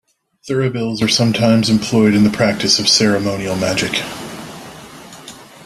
Thuribles are sometimes employed in the practice of ceremonial magic.